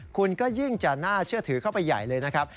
คุณก็ยิ่งจะน่าเชื่อถือเข้าไปใหญ่เลยนะครับ